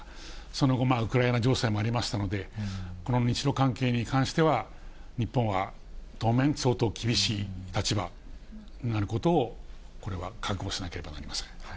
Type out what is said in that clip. その後ウクライナ情勢もありましたので、この日ロ関係に関しては、日本は当面、相当厳しい立場になることを、これは覚悟しなければなりません。